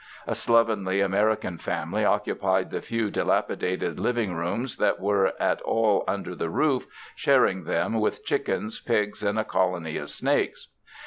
A slovenly American family occupied the few dilapidated living rooms that were at all under roof, sharing them with chickens, pigs and a colony of snakes.